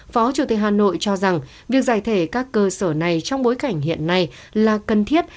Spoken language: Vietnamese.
phó chủ tịch hà nội cho rằng việc giải thể các cơ sở này trong bối cảnh hiện nay là cần thiết